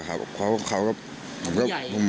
ไม่ทราบครับเพราะว่าเขาก็